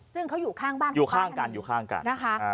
ซึ่งเขาอยู่ข้างบ้านคู่กรณี